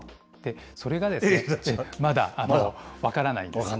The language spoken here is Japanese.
それがまだ分からないんです。